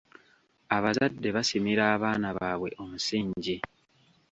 Abazadde basimira abaana baabwe omusingi.